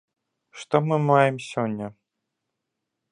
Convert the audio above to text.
Што мы маем сёння?